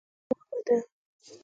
دا کلمه ډيره عامه ده